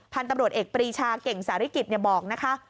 พันธุ์ตำรวจเอกปรีชาเก่งสาริกิจบอกนะคะ